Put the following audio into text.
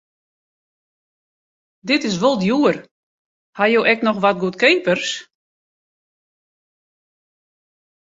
Dit is wol djoer, ha jo ek noch wat goedkeapers?